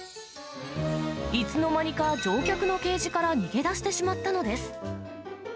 いつの間にか乗客のケージから逃げ出してしまったのです。